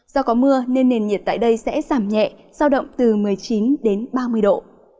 do có mưa nên nền nhiệt tại đây sẽ giảm nhẹ giao động từ một mươi chín đến ba mươi độ